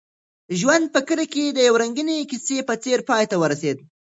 ژوند په کلي کې د یوې رنګینې کیسې په څېر پای ته ورسېد.